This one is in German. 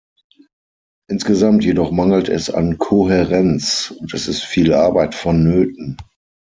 Insgesamt jedoch mangelt es an Kohärenz, und es ist viel Arbeit vonnöten.